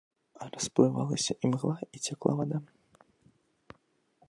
Расплывалася імгла, і цякла вада.